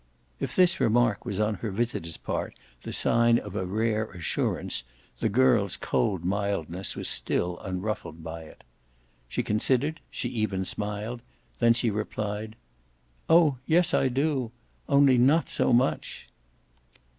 If this remark was on her visitor's part the sign of a rare assurance the girl's cold mildness was still unruffled by it. She considered, she even smiled; then she replied: "Oh yes I do only not so much."